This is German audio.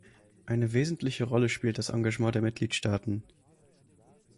Eine wesentliche Rolle spielt das Engagement der Mitgliedstaaten.